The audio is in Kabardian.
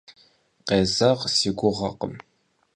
Къезэгъ си гугъэкъым.